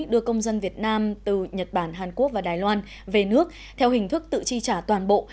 đưa công dân việt nam từ nhật bản hàn quốc và đài loan về nước theo hình thức tự chi trả toàn bộ